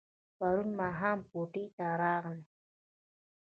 پرون ماښام کوټې ته راغلم.